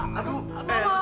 eh temen diri sendiri deh